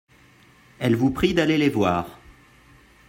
Elles vous prient d'aller les voir.